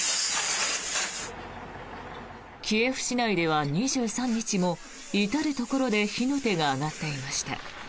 キエフ市内では２３日も至るところで火の手が上がっていました。